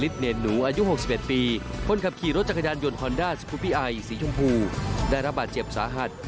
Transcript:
สีชมพูได้รับบาดเจ็บสาหัด